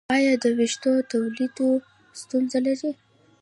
ایا د ویښتو تویدو ستونزه لرئ؟